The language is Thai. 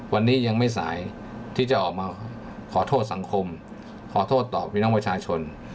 วันนี้ยังไม่สายที่จะออกมาขอโทษสังคมขอโทษต่อพี่น้องประชาชน